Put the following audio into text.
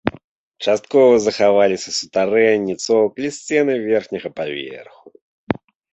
Часткова захаваліся сутарэнні, цокаль і сцены верхняга паверху.